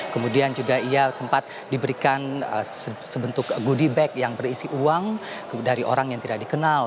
kemudian juga ia sempat diberikan sebentuk goodie bag yang berisi uang dari orang yang tidak dikenal